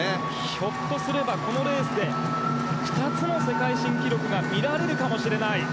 ひょっとすればこのレースで２つの世界新記録が見られるかもしれない。